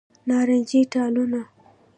نارنجې ټالونه